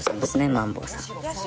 マンボウさん。